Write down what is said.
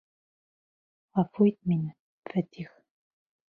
Ғәфү ит мине, Фәтих!..